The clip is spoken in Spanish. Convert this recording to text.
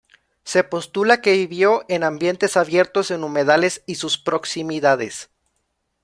Se postula que vivió en ambientes abiertos, en humedales y sus proximidades.